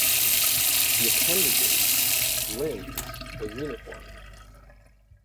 The appendages (limbs) were uniform.